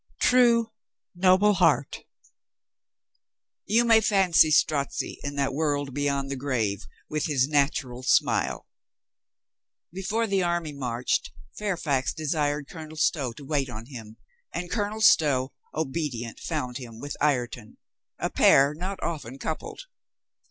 True, noble heart ! You may fancy Strozzi in that world beyond the grave with his natural smile .. Before the army marched, Fairfax desired Colonel Stow to wait on him, and Colonel Stow, obedient, found him with Ireton — a pair not often coupled.